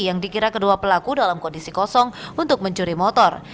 yang dikira kedua pelaku dalam kondisi kosong untuk mencuri motor